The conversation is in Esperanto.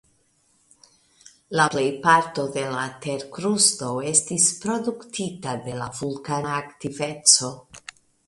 La plej parto de la terkrusto estis produktita de la vulkana aktiveco.